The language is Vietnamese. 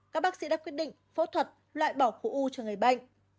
các bác sĩ đã quyết định phẫu thuật loại bỏ khối u cho người bệnh